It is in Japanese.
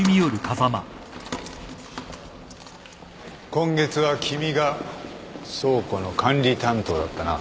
今月は君が倉庫の管理担当だったな。